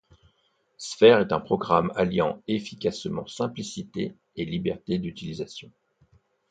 Sphere est un programme alliant efficacement simplicité et liberté d'utilisation.